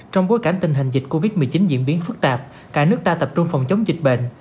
trong bối cảnh tình hình dịch covid một mươi chín diễn biến phức tạp cả nước ta tập trung phòng chống dịch bệnh